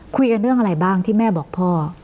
คุยกันเรื่องอะไรบ้างที่แม่บอกพ่อ